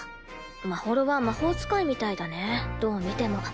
まほろは魔法使いみたいだねどう見ても。